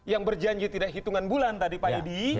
yang berjanji tidak hitungan bulan tadi pak edi